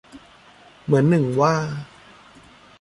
เหมือนหนึ่งว่า